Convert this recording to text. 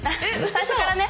最初からね